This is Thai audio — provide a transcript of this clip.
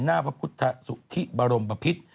หน้าพระพุทธสุธิบรมพิษ